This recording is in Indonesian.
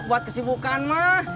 buat kesibukan mak